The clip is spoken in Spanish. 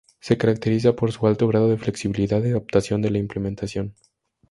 Se caracteriza por su alto grado de flexibilidad y adaptación de la implementación.